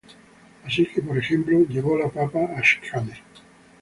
Así que, por ejemplo, llevó la papa a Skåne.